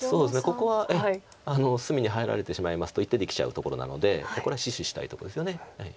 ここは隅に入られてしまいますといって出てきちゃうところなのでこれは死守したいとこですよね。